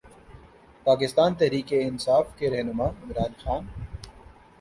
پاکستان تحریک انصاف کے رہنما عمران خان